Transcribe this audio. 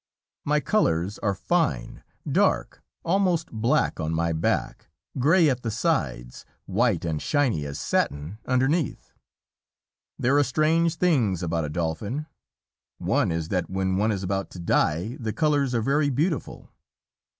My colors are fine, dark, almost black on my back, gray at the sides, white and shiny as satin underneath. There are strange things about a Dolphin. One is that when one is about to die, the colors are very beautiful.